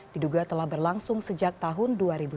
diduga telah berlangsung sejak tahun dua ribu sepuluh